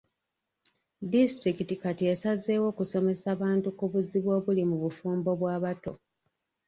Disitulikiti kati esazeewo kusomesa bantu ku buzibu obuli mu bufumbo bw'abato.